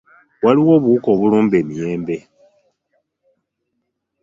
Waliwo obuwuka obulumba emiyembe